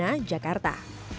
adea fitriana jakarta